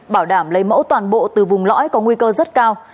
bảo đảm lấy mẫu toàn bộ từ vùng lõi có nguy cơ rất cao